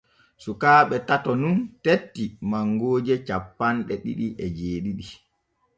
Sukaaɓe tato nun tetti mangooje cappanɗe ɗiɗi e jeeɗiɗi.